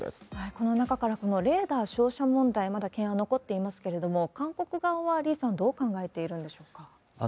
この中から、このレーダー照射問題、まだ懸案残っていますけれども、韓国側は、李さん、どう考えているんでしょうか？